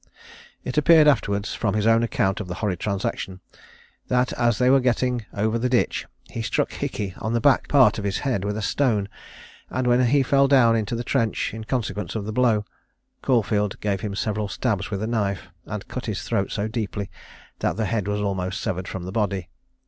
It appeared afterwards, from his own account of the horrid transaction, that as they were getting over the ditch, he struck Hickey on the back part of his head with a stone; and when he fell down into the trench, in consequence of the blow, Caulfield gave him several stabs with a knife, and cut his throat so deeply, that the head was almost severed from the body.